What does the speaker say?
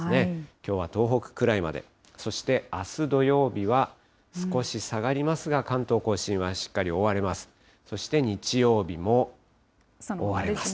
きょうは東北くらいまで、そしてあす土曜日は少し下がりますが、関東甲信はしっかり覆われます。